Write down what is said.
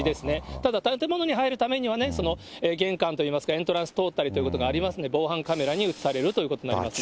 ただ、建物に入るためには、玄関といいますか、エントランスを通ったりということもありますので、防犯カメラに映されるということになりますね。